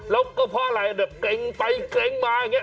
แล้วก็เพราะอะไรแบบเกร็งไปเกร็งมาอย่างนี้